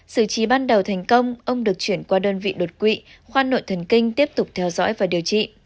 sử trí ban đầu thành công ông được chuyển qua đơn vị đột quỵ khoa nội thần kinh tiếp tục theo dõi và điều trị